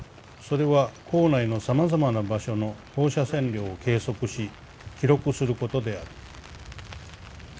それは校内の様々な場所の放射線量を計測し記録することである。